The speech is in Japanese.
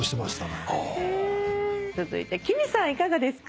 続いてＫＩＭＩさんいかがですか？